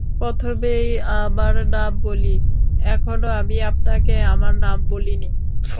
প্রথমেই আমার নাম বলি-এখনো আমি আপনাকে আমার নাম বলি নি।